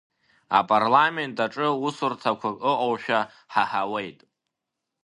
Апарламент аҿы усурҭақәак ыҟоушәа ҳаҳауеит.